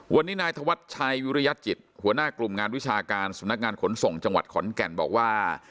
วันนี้นายธวัชชัยวิริยจิตหัวหน้ากลุ่มงานวิชาการสำนักงานขนส่งจังหวัดขอนแก่นบอกว่า